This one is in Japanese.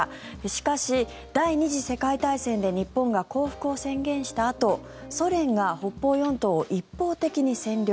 しかし、第２次世界大戦で日本が降伏を宣言したあとソ連が北方四島を一方的に占領。